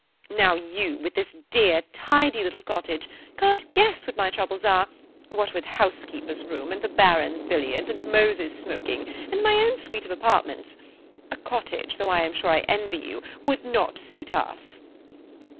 Now you, with this dear, tidy little cottage, can't guess what my troubles are, what with housekeeper's room, and the Baron's billiards, and Moses' smoking, and my own suite of apartments–a cottage, though I am sure I envy you, would not suit us."